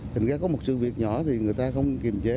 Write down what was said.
thành ra có một sự việc nhỏ thì người ta không kiềm chế